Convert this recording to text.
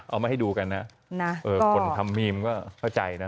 เอามาให้ดูกันนะคนทำมีมก็เข้าใจนะ